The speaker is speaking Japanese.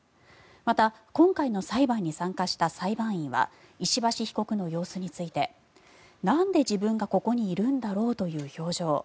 また、今回の裁判に参加した裁判員は石橋被告の様子についてなんで自分がここにいるんだろうという表情